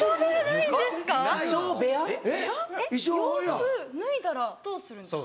洋服脱いだらどうするんですか。